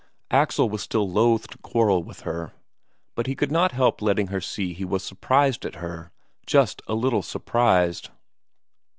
Axel was still loth to quarrel with her, but he could not help letting her see he was surprised at her, just a little surprised.